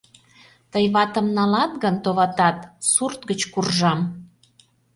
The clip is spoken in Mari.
Тый ватым налат гын, товатат, сурт гыч куржам!